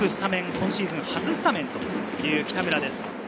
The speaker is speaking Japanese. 今シーズン初スタメンという北村です。